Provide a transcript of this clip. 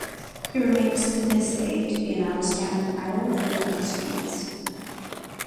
He remains to this day to be an outstanding idol for young swedes.